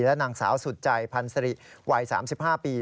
และนางสาวสุดใจพันธ์สริวัย๓๕ปี